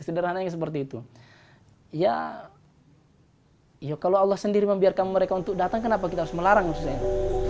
sederhananya seperti itu ya kalau allah sendiri membiarkan mereka untuk datang kenapa kita harus melarang maksud saya